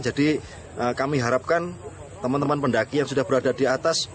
jadi kami harapkan teman teman pendaki yang sudah berada di atas